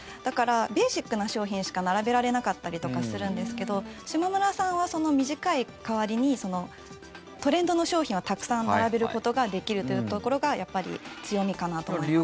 ベーシックな商品しか並べられなかったりとかするんですけどしまむらさんは短い代わりにトレンドの商品をたくさん並べることができるというところがやっぱり強みかなと思いますね。